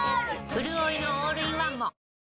うるおいのオールインワンも！